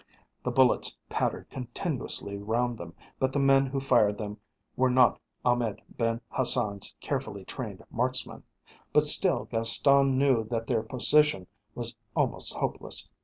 The bullets pattered continuously round them, but the men who fired them were not Ahmed Ben Hassan's carefully trained marksmen. But still Gaston knew that their position was almost hopeless.